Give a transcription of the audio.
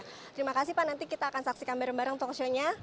terima kasih pak nanti kita akan saksikan bareng bareng talkshow nya